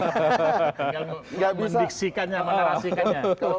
enggak bisa mendiksikannya menerasikannya